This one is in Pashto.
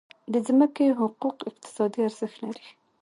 د ځمکې حقوق اقتصادي ارزښت لري.